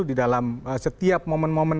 di dalam setiap momen momen